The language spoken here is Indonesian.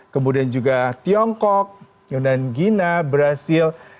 kemudian juga tiongkok yunan gina brazil